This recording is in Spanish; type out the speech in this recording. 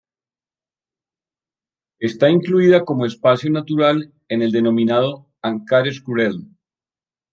Está incluida cómo espacio natural en el denominado "Ancares-Courel".